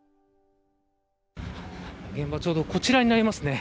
現場ちょうどこちらになりますね。